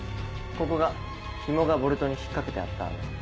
ここがヒモがボルトに引っ掛けてあった穴。